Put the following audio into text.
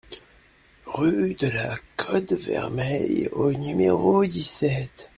Rue de la Côte Vermeille au numéro dix-sept